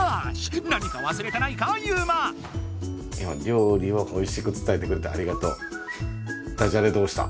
料理をおいしくつたえてくれてありがとう。